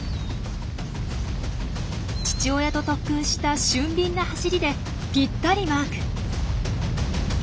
父親と特訓した俊敏な走りでぴったりマーク。